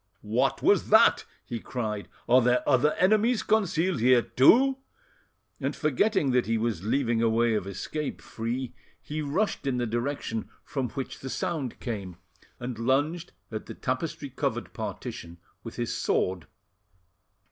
"What was that?" he cried. "Are there other enemies concealed here too?" And forgetting that he was leaving a way of escape free, he rushed in the direction from which the sound came, and lunged at the tapestry covered partition with his sword.